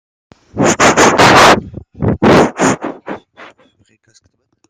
La femelle a tendance à manger le mâle après l'accouplement.